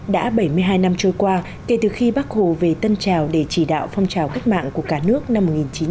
đã bảy mươi hai năm trôi qua kể từ khi bác hồ về tân trào để chỉ đạo phong trào cách mạng của cả nước năm một nghìn chín trăm bốn mươi năm